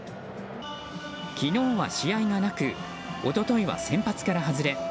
昨日は試合がなく一昨日は先発から外れ